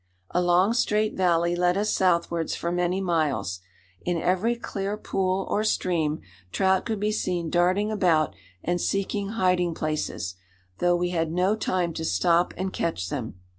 A long straight valley led us southwards for many miles. In every clear pool or stream, trout could be seen darting about and seeking hiding places, though we had no time to stop and catch them.